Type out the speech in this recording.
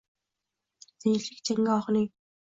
Tinchlik janggohining